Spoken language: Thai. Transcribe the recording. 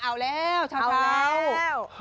เอาแล้วชาวแล้ว